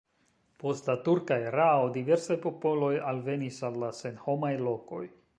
Post la turka erao diversaj popoloj alvenis al la senhomaj lokoj.